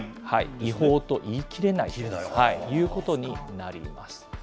違法と言い切れないということになります。